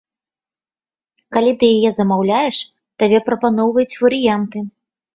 Калі ты яе замаўляеш, табе прапаноўваюць варыянты.